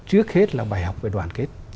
trước hết là bài học về đoàn kết